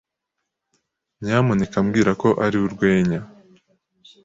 Nyamuneka mbwira ko ari urwenya.